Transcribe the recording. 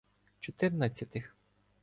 Чотирнадцятих